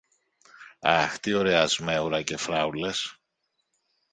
Αχ, τι ωραία σμέουρα και φράουλες!